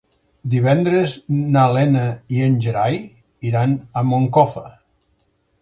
Divendres na Lena i en Gerai iran a Moncofa.